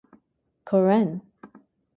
Koren.